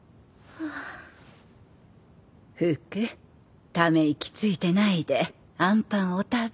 ふくため息ついてないであんパンお食べ。